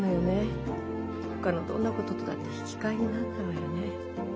ほかのどんなこととだって引き換えになんないわよね。